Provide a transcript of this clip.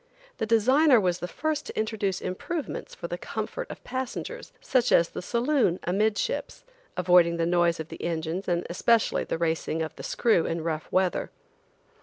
The designer was the first to introduce improvements for the comfort of passengers, such as the saloon amidships, avoiding the noise of the engines and especially the racing of the screw in rough weather.